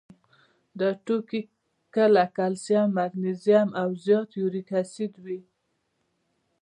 دا توکي کله کلسیم، مګنیزیم او زیات یوریک اسید وي.